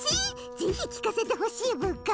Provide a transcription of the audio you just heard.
ぜひ聞かせてほしいブカ。